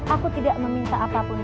aku tidak meminta